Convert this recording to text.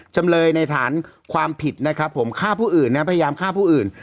จำเลยในฐานความผิดนะครับผมฆ่าผู้อื่นนะพยายามฆ่าผู้อื่น